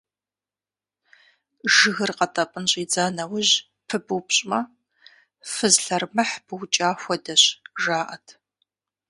Жыгыр къэтӀэпӀын щӀидза нэужь пыбупщӀмэ, фыз лъэрымыхь быукӀа хуэдэщ, жаӀэт.